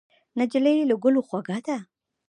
نجلۍ له ګلو خوږه ده.